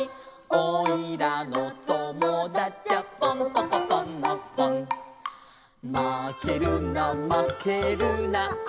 「おいらのともだちゃポンポコポンのポン」「まけるなまけるなおしょうさんにまけるな」